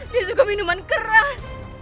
dia suka minuman keras